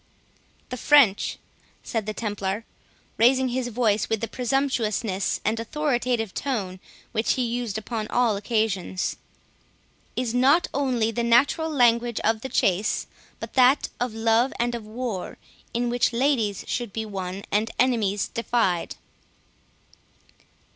14 "The French," said the Templar, raising his voice with the presumptuous and authoritative tone which he used upon all occasions, "is not only the natural language of the chase, but that of love and of war, in which ladies should be won and enemies defied."